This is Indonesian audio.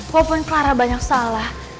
walaupun clara banyak salah